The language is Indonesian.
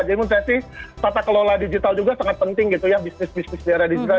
jadi menurut saya sih tata kelola digital juga sangat penting gitu ya bisnis bisnis di area digital